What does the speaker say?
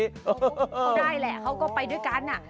เขาได้แหละเขาก็ไปด้วยกัน